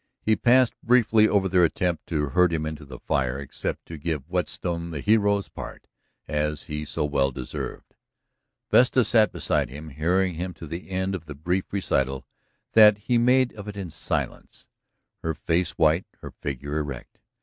He passed briefly over their attempt to herd him into the fire, except to give Whetstone the hero's part, as he so well deserved. Vesta sat beside him, hearing him to the end of the brief recital that he made of it in silence, her face white, her figure erect.